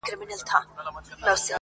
څوک وایي گران دی، څوک وای آسان دی.